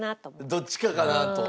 どっちかかなと。